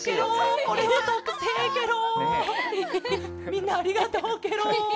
みんなありがとうケロ。